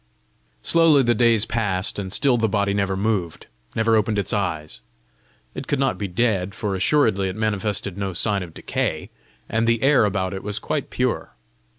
Slowly the days passed, and still the body never moved, never opened its eyes. It could not be dead, for assuredly it manifested no sign of decay, and the air about it was quite pure.